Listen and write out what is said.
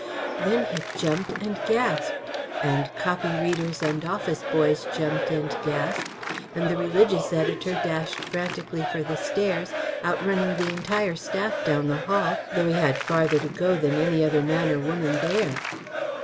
Then he jumped and gasped, and copy readers and office boys jumped and gasped, and the religious editor dashed frantically for the stairs, outrunning the entire staff down the hall, though he had farther to go than any other man or woman there.